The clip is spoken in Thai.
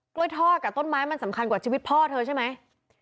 ทอดกับต้นไม้มันสำคัญกว่าชีวิตพ่อเธอใช่ไหม